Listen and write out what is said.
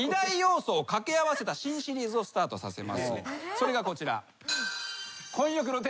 それがこちら。